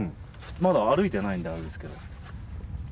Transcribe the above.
まだ歩いてないんであれですけど。